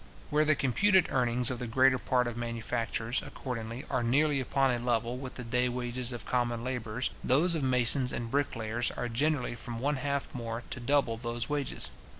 Where the computed earnings of the greater part of manufacturers, accordingly, are nearly upon a level with the day wages of common labourers, those of masons and bricklayers are generally from one half more to double those wages.